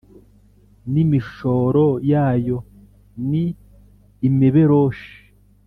N’imishoro yayo ni imiberoshi